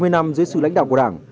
chín mươi năm dưới sự lãnh đạo của đảng